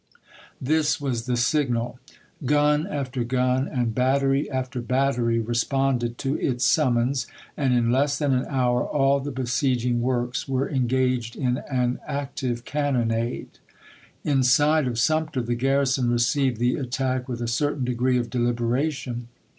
This was the signal. Gun after gun and battery after battery responded to its summons, and in less than an hour all the besieging works were engaged in an active cannonade. Inside of Sumter the garrison received the at tack with a certain degree of deliberation.